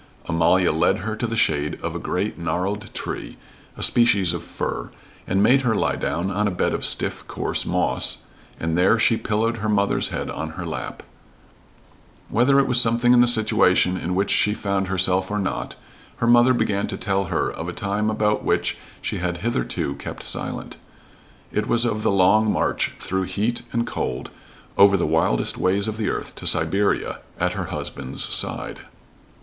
Amalia led her to the shade of a great gnarled tree, a species of fir, and made her lie down on a bed of stiff, coarse moss, and there she pillowed her mother's head on her lap. Whether it was something in the situation in which she found herself or not, her mother began to tell her of a time about which she had hitherto kept silent. It was of the long march through heat and cold, over the wildest ways of the earth to Siberia, at her husband's side.